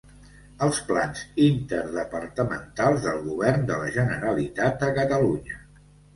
Els plans interdepartamentals del Govern de la Generalitat de Catalunya.